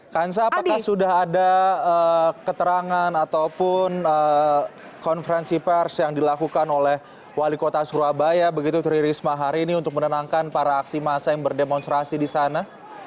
kansa apakah sudah ada keterangan ataupun konferensi pers yang dilakukan oleh wali kota surabaya begitu tri risma hari ini untuk menenangkan para aksi masa yang berdemonstrasi di sana